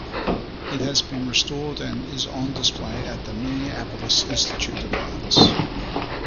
It has been restored and is on display at the Minneapolis Institute of Arts.